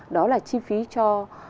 đó là chi phí cho